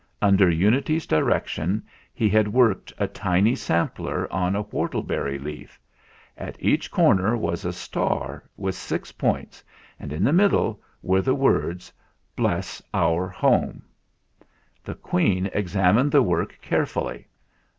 Under Unity's di rection he had worked a tiny sampler on a whortleberry leaf. At each corner was a star with six points, and in the middle were the words "Bless our Home" The Queen examined the work carefully.